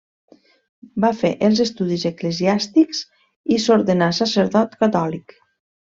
Va fer els estudis eclesiàstics i s'ordenà sacerdot catòlic.